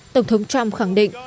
tổng thống trump khẳng định